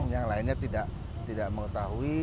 yang lainnya tidak mengetahui